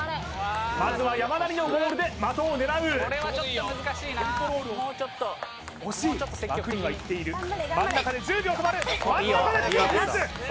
まずは山なりのボールで的を狙うこれはちょっと難しいなコントロールをもうちょっと積極的に枠にはいっている真ん中で１０秒止まる真ん中で強く打つ！